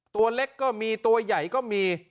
ตัวเล็กก็มีตัวใหญ่ก็มี